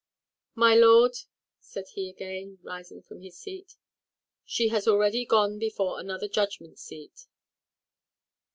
"My lord," said he again, rising from his seat, "she has already gone before another judgment seat.